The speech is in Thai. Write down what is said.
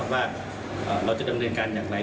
ว่าเราจะดำเนินการอย่างไร